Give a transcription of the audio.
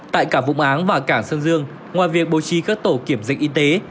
tại cả vũng áng và cảng sơn dương ngoài việc bộ trí các tổ kiểm dịch y tế